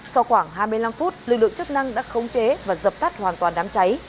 sau khoảng hai mươi năm phút lực lượng chức năng đã khống chế và dập tắt hoàn toàn đám cháy